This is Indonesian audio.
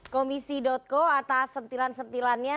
komisi co atas sentilan sentilannya